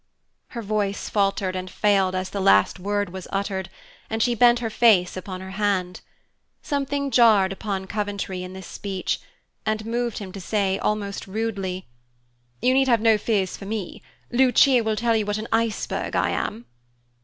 Her voice faltered and failed as the last word was uttered, and she bent her face upon her hand. Something jarred upon Coventry in this speech, and moved him to say, almost rudely, "You need have no fears for me. Lucia will tell you what an iceberg I am."